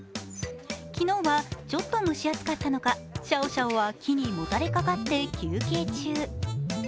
昨日は、ちょっと蒸し暑かったのかシャオシャオは木にもたれかかって休憩中。